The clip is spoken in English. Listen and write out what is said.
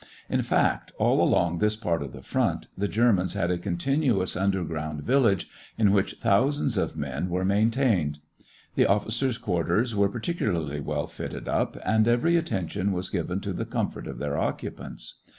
In fact, all along this part of the front, the Germans had a continuous underground village in which thousands of men were maintained. The officers' quarters were particularly well fitted up, and every attention was given to the comfort of their occupants.